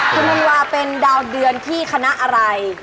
ถังว่าเป็นดาวเดือนแมงที่คณะอะไร